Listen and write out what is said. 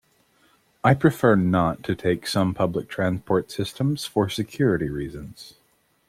I prefer not to take some public transport systems for security reasons.